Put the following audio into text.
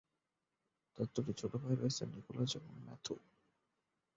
তার দুটি ছোট ভাই রয়েছে, নিকোলাস এবং ম্যাথু।